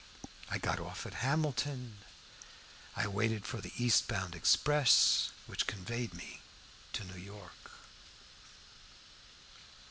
I got off at Hamilton, and waited for the east bound express, which conveyed me to New York."